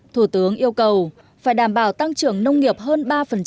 thủ tướng yêu cầu phải đảm bảo tăng trưởng nông nghiệp hơn ba